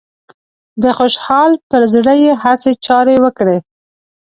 د خوشحال پر زړه يې هسې چارې وکړې